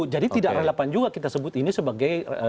jadi tidak relevan juga kita sebut ini sebagai